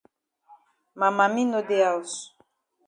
Ma mami no dey haus.